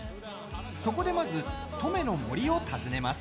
そこでまず、登米の森を訪ねます。